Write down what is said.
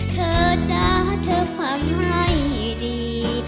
เธอจ๊ะเธอฟังให้ดี